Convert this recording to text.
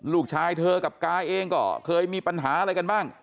ลูกชายเธอกับกาเองก็เคยมีปัญหาอะไรกันบ้าง